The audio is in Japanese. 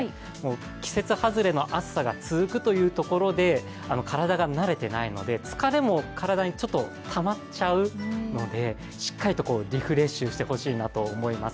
季節外れの暑さが続くというところで体が慣れてないので、疲れも体にたまっちゃうのでしっかりとリフレッシュしてほしいなと思います。